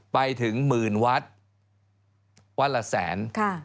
ไปถึงหมื่นวัดวัดละแสน